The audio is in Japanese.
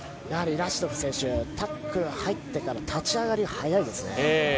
ラシドフ選手タックルが入ってから立ち上がり、速いですね。